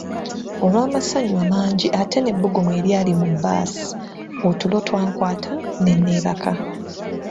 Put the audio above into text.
Olw'amasanyu amangi ate n'ebbugumu eryali mu bbaasi, otulo twankwata ne neebaka.